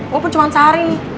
gue pun cuma cari nih